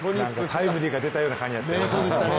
タイムリーが出たような感じだったね。